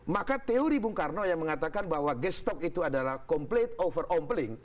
maka teori bung karno yang mengatakan bahwa gestok itu adalah complete over ompling